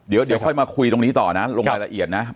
เดี๋ยวค่อยมาคุยตรงนี้ต่อนะลงรายละเอียดนะ